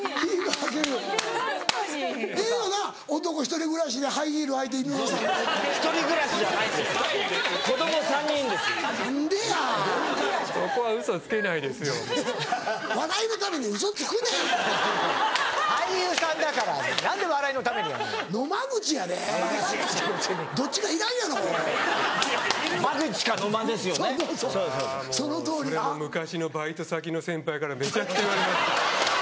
あぁもうそれも昔のバイト先の先輩からめちゃくちゃ言われました。